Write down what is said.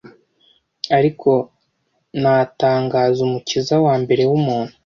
ariko natangaza umukiza wambere wumuntu